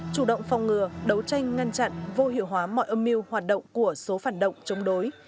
chủ động phòng ngừa đấu tranh ngăn chặn vô hiệu hóa mọi âm mưu hoạt động của số phản động chống đối